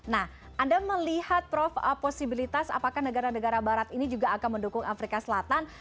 nah anda melihat prof posibilitas apakah negara negara barat ini juga akan mendukung afrika selatan